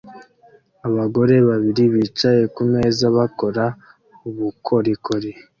Abagore babiri bicaye kumeza bakora ubukorikori